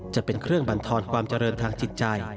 จะเป็นเครื่องบรรทอนความเจริญทางจิตใจ